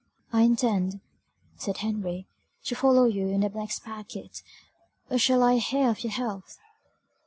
"I intend," said Henry, "to follow you in the next packet; where shall I hear of your health?"